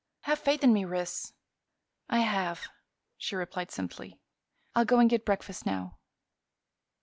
Have faith in me, Ris." "I have," she replied simply. "I'll go in and get breakfast now."